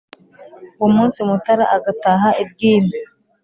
uwo munsi mutára agataha i bwíma